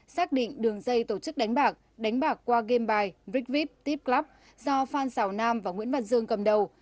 xác định đường dây tổ chức đánh bạc đánh bạc qua game by brickvip tipclub do phan xảo nam và nguyễn văn dương cầm đầu